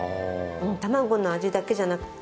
卵の味だけじゃなくて。